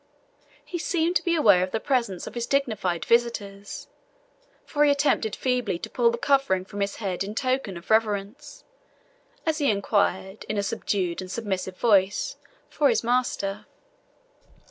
He seemed to be aware of the presence of his dignified visitors, for he attempted feebly to pull the covering from his head in token of reverence, as he inquired, in a subdued and submissive voice, for his master.